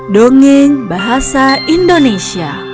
dongeng bahasa indonesia